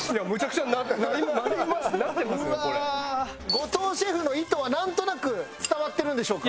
後藤シェフの意図はなんとなく伝わってるんでしょうか？